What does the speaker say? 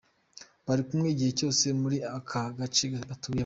bari kumwe igihe cyose muri aka gace batuyemo.